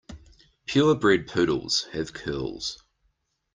Pure bred poodles have curls.